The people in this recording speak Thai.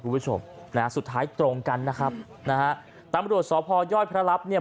คุณผู้ชมนะฮะสุดท้ายตรงกันนะครับนะฮะตำรวจสพย่อยพระรับเนี่ย